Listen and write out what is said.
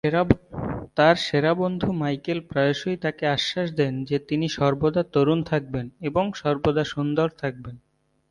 তার সেরা বন্ধু মাইকেল প্রায়শই তাকে আশ্বাস দেন যে তিনি "সর্বদা তরুণ থাকবেন, এবং সর্বদা সুন্দর থাকবেন।"